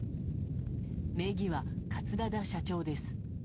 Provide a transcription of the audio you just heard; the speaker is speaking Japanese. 名義は桂田社長です。